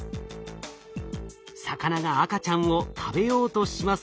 魚が赤ちゃんを食べようとしますが。